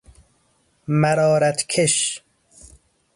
مرارت کش